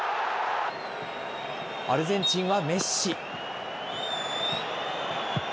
アルゼンチンはメッシ。